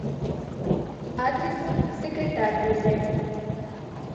Адресым секретарь возен.